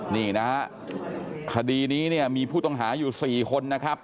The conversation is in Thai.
นี่นะฮะคดีนี้เนี่ยมีผู้ต้องหาอยู่๔คนนะครับ